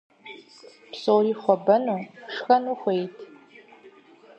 Псори хуэбэну, шхэну хуейт.